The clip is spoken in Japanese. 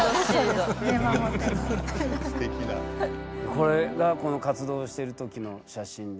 これがこの活動してるときの写真ですね。